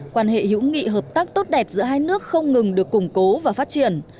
quan hệ hữu nghị hợp tác tốt đẹp giữa hai nước không ngừng được củng cố và phát triển